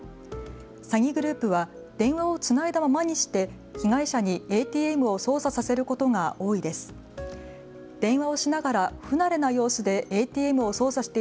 詐欺グループは電話をつないだままにして被害者にＡＴＭを操作させることが多いです。